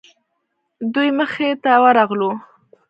دوی مخې ته ورغلو.